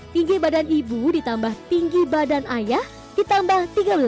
tinggi badan ibu ditambah tinggi badan ayah ditambah tiga belas